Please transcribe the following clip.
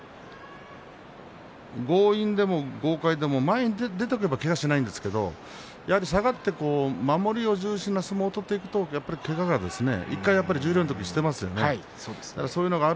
強引でも豪快でも前に出ればけがをしないんですが下がって守りを重心の相撲をするとけがを１回十両の時にしていますね。